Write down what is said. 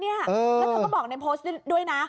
แล้วเธอก็บอกในโพสต์ด้วยนะ